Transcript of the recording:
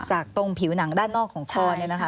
ตรงผิวหนังด้านนอกของคอเนี่ยนะคะ